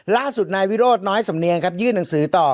ล่าสุดนายวิโรธน้อยสำเนียงครับยื่นหนังสือต่อ